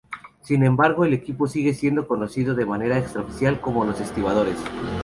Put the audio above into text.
Sin embargo, el equipo sigue siendo conocido de manera extraoficial como "los estibadores".